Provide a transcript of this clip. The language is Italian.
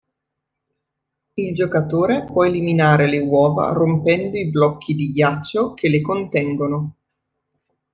Il giocatore può eliminare le uova rompendo i blocchi di ghiaccio che le contengono.